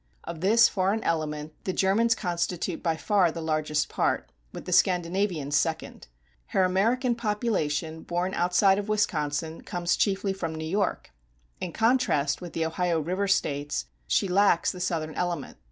Of this foreign element the Germans constitute by far the largest part, with the Scandinavians second. Her American population born outside of Wisconsin comes chiefly from New York. In contrast with the Ohio River States, she lacks the Southern element.